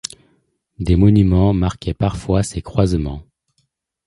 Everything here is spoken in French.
Des monuments marquaient parfois ces croisements.